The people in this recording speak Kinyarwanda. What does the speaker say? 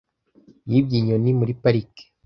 yibye inyoni muri parike